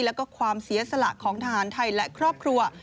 แล้วก็ความเสียสละของทหารไทยและครอบครัว